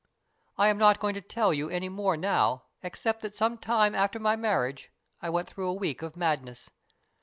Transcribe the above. I am not going to tell you any more now, except that some time after my marriage I went through a week of madness.